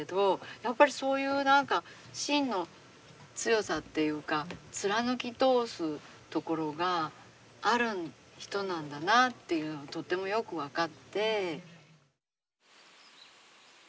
やっぱりそういう何か心の強さっていうか貫き通すところがある人なんだなあっていうのがとってもよく分かって。